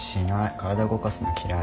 体動かすの嫌い。